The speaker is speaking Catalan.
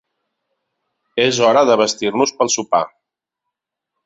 És hora de vestir-nos pel sopar.